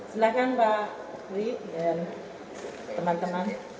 silahkan pak wi dan teman teman